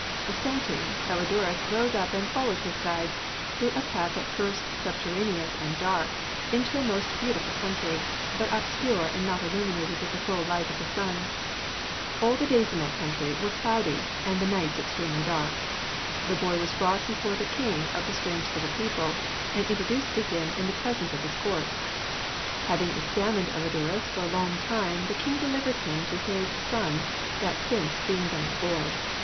Assenting, Elidurus rose up and 'followed his guides through a path at first subterraneous and dark, into a most beautiful country, but obscure and not illuminated with the full light of the sun.' All the days in that country 'were cloudy, and the nights extremely dark.' The boy was brought before the king of the strange little people, and introduced to him in the presence of his Court. Having examined Elidurus for a long time, the king delivered him to his son, that prince being then a boy.